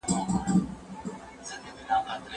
مېوې د بدن د معافیت کچه په طبیعي ډول لوړوي.